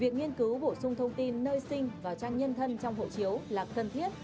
việc nghiên cứu bổ sung thông tin nơi sinh và trang nhân thân trong hộ chiếu là cần thiết